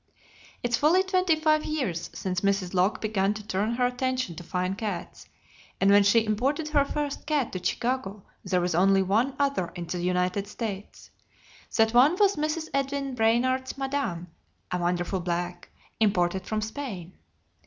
It is fully twenty five years since Mrs. Locke began to turn her attention to fine cats, and when she imported her first cat to Chicago there was only one other in the United States. That one was Mrs. Edwin Brainard's Madam, a wonderful black, imported from Spain.